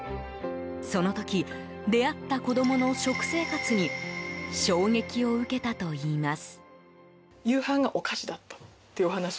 その時出会った子供の食生活に衝撃を受けたといいます。